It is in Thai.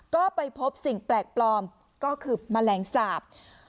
ก็ไปพบสิ่งแปลกปลอมก็คือแมลงสาป